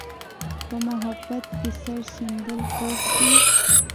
په محبت کې سر شیندل خوږ دي.